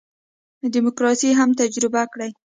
دیموکراسي هم تجربه کړي.